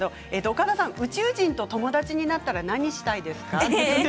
岡田さん宇宙人と友達になったら何したいですか。